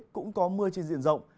cũng có mưa trên diện rộng